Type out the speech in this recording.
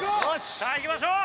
さあいきましょう！